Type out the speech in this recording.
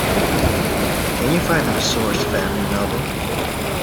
Can you find me The Source Family novel?